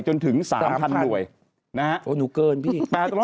จนถึง๓๐๐๐หน่วยนะฮะ